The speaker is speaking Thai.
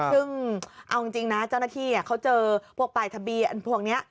ซึ่งเอาจริงนะเจ้าหน้าที่เขาเจอพวกปลายทะเบียนพวกนี้